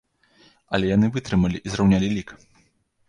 Але яны вытрымалі і зраўнялі лік!